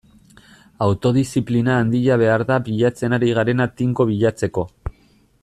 Autodiziplina handia behar da bilatzen ari garena tinko bilatzeko.